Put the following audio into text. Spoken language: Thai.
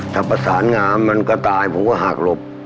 ถ้าประสานงามมันก็ตายผมก็หักหลบ